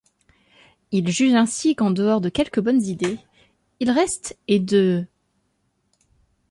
Il juge ainsi qu’en dehors de quelques bonnes idées, il reste et de '.